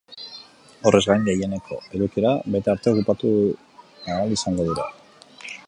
Horrez gain, gehieneko edukiera bete arte okupatu ahal izango dira.